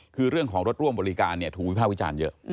คือเรื่องของรถร่วมบริการถูกวิภาควิจารณ์เยอะ